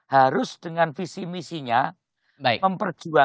harus dengan visi misinya